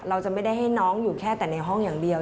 เราจะไม่ได้ให้น้องอยู่แค่แต่ในห้องอย่างเดียว